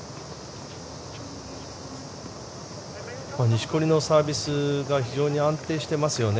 錦織のサービスが非常に安定してますよね。